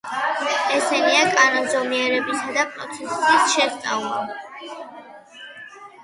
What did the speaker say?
ესენია: კანონზომიერებისა და პროცესის შესწავლა.